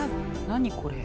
何これ？